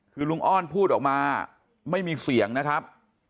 คือลุงอ้อนพูดออกมาไม่มีเสียงนะครับ